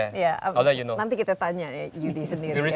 kita akan menerima kalian ketika kamu di singapura